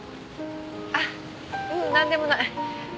あっううんなんでもない。